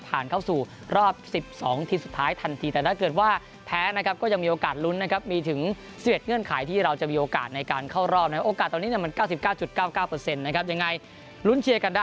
ผ่านเข้าสู่รอบสิบสองทีสุดท้ายทันทีแต่ถ้าเกิด